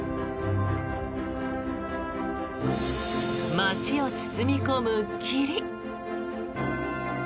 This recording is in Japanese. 街を包み込む霧。